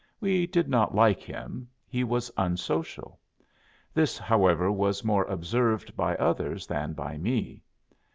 We did not like him; he was unsocial. This, however, was more observed by others than by me.